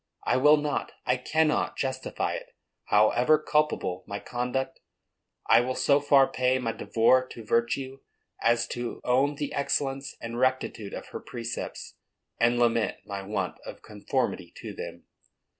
I will not, I cannot, justify it. However culpable my conduct, I will so far pay my devoir to virtue as to own the excellence and rectitude of her precepts, and lament my want of conformity to them.